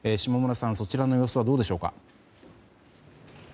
そちらの様子はどうでしょうか。